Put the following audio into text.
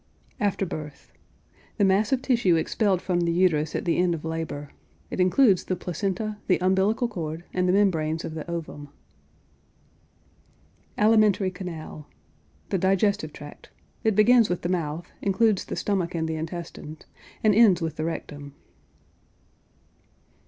AFTER BIRTH. The mass of tissue expelled from the uterus at the end of labor. It includes the placenta, the umbilical cord, and the membranes of the ovum. ALIMENTARY CANAL. The digestive tract. It begins with the mouth, includes the stomach and the intestines, and ends with the rectum.